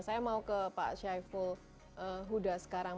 saya mau ke pak syaiful huda sekarang